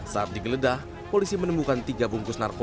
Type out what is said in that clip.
saat digeledah polisi menemukan tiga bungkus narkoba